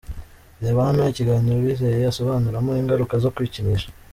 Reba hano ikiganiro Uwizeye asobanuramo ingaruka zo kwikinisha .